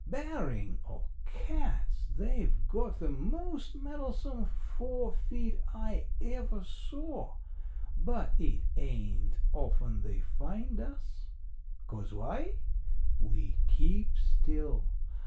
Barrin' o cat's, they've got the most meddlesome forefeet I ever saw. But it ain't often they find us. Cause why? We keep still.